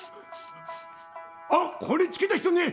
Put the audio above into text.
「あっこれ漬けた人ね」。